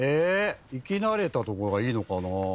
行き慣れたところがいいのかな。